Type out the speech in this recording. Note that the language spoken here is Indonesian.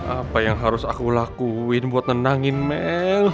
apa yang harus aku lakuin buat nenangin mel